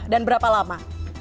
dan berapa lama